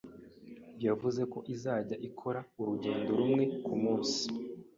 yavuze ko izajya ikora urugendo rumwe ku munsi